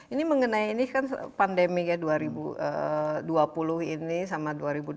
ini mengenai pandemiknya dua ribu dua puluh ini sama dua ribu dua puluh satu